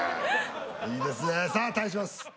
いいですねさあ対します